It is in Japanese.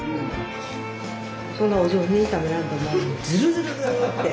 そんなお上品に食べらんともうずるずるずるって！